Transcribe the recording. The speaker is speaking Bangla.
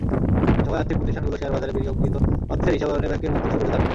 সভায় আর্থিক প্রতিষ্ঠানগুলো শেয়ারবাজারে বিনিয়োগকৃত অর্থের হিসাবায়নে ব্যাংকের মতো সুবিধা দাবি করে।